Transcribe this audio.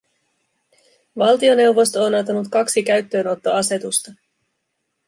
Valtioneuvosto on antanut kaksi käyttöönottoasetusta.